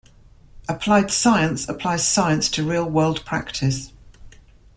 Applied science applies science to real world practice.